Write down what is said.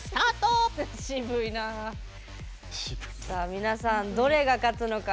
皆さん、どれが勝つのか